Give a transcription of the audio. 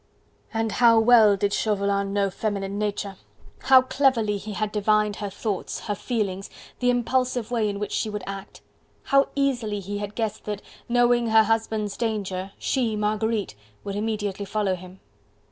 And how well did Chauvelin know feminine nature! How cleverly he had divined her thoughts, her feelings, the impulsive way in which she would act; how easily he had guessed that, knowing her husband's danger, she, Marguerite, would immediately follow him.